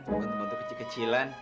bukan temen kecil kecilan